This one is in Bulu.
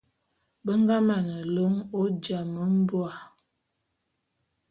Be nga mane lôn Ojambô'a.